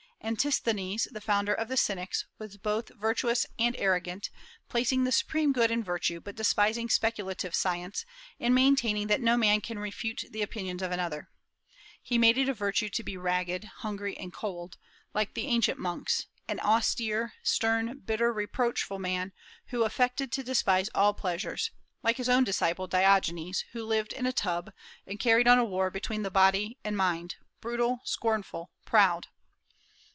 Antisthenes, the founder of the Cynics, was both virtuous and arrogant, placing the supreme good in virtue, but despising speculative science, and maintaining that no man can refute the opinions of another. He made it a virtue to be ragged, hungry, and cold, like the ancient monks; an austere, stern, bitter, reproachful man, who affected to despise all pleasures, like his own disciple Diogenes, who lived in a tub, and carried on a war between the mind and body, brutal, scornful, proud.